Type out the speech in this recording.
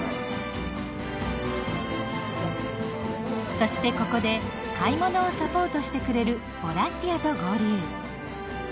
そしてここで買い物をサポートしてくれるボランティアと合流。